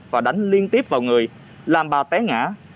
và đánh liên tiếp vào người làm bà té ngã